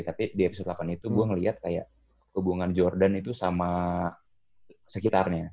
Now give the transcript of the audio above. tapi di episode delapan itu gue ngeliat kayak hubungan jordan itu sama sekitarnya